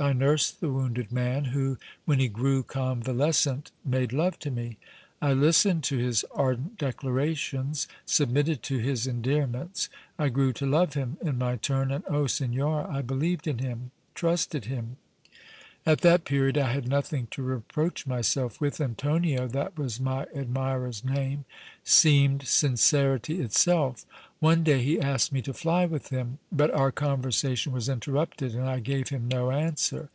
I nursed the wounded man, who, when he grew convalescent, made love to me. I listened to his ardent declarations, submitted to his endearments. I grew to love him in my turn, and, oh! signora, I believed in him, trusted him. At that period I had nothing to reproach myself with, and Tonio, that was my admirer's name, seemed sincerity itself. One day he asked me to fly with him, but our conversation was interrupted and I gave him no answer.